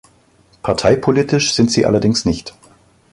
Parteipolitisch sind sie allerdings nicht.